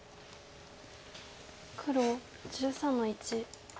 黒１３の一。